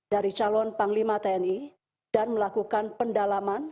dari calon panglima tni dan melakukan pendalaman